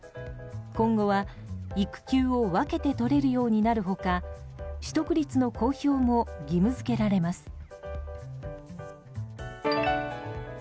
今後は、育休を分けて取れるようになる他取得率の公表も義務付けられます。